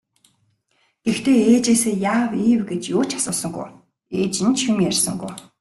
Гэхдээ ээжээсээ яав ийв гэж юу ч асуусангүй, ээж нь ч юм ярьсангүй.